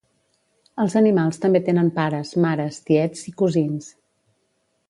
Els animals també tenen pares, mares, tiets i cosins.